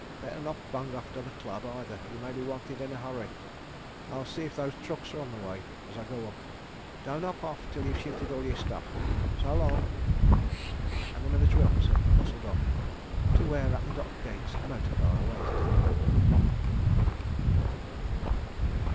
... Better not bung off to the Club either—you may be wanted in a hurry. ... I'll see if those trucks are on the way as I go up. Don't hop off till you've shifted all your stuff. .. So long! ..." and the Military Landing Officer bustled off to where at the Dock gates a motor car awaited him.